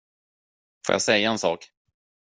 Får jag säga en sak?